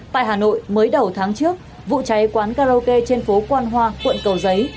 tại hà nội mới đầu tháng trước vụ cháy quán karaoke trên phố quan hoa quận cầu giấy